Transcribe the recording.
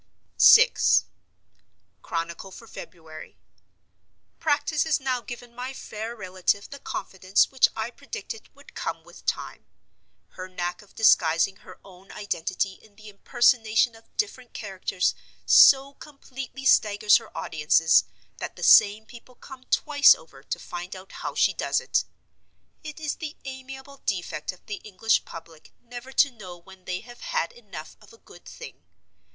VI. Chronicle for February. Practice has now given my fair relative the confidence which I predicted would come with time. Her knack of disguising her own identity in the impersonation of different characters so completely staggers her audiences that the same people come twice over to find out how she does it. It is the amiable defect of the English public never to know when they have had enough of a good thing.